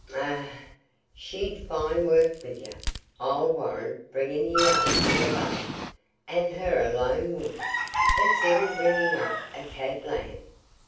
"Eh, she'd fine work wi' ye, I'll warrant, bringin' ye up from a babby, an' her a lone woman—it's ill bringin' up a cade lamb.